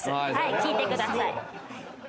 聞いてください。